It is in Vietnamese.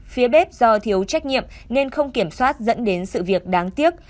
phía bếp do thiếu trách nhiệm nên không kiểm soát dẫn đến sự việc đáng tiếc